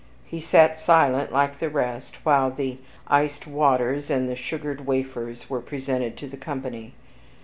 He sat silent like the rest, while the iced waters and the sugared wafers were presented to the company.